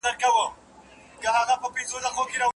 لارښود د شاګردانو په وړتیاوو پوره باور لري.